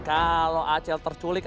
kalau acel terculik